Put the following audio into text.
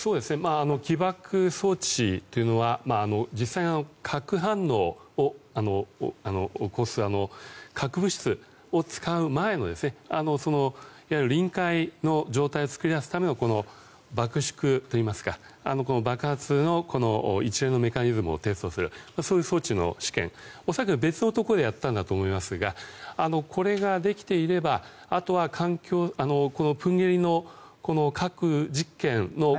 起爆装置というのは実際の核反応を起こす核物質を使う前の臨界の状態を作り出すための爆縮といいますか爆発の一連のメカニズムのそういう装置の試験恐らく別のところでやったんだと思いますがこれができていればあとはプンゲリの核実験